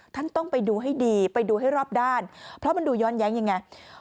ท่านต้องไปดูให้ดีไปดูให้รอบด้านเพราะมันดูย้อนแย้งยังไง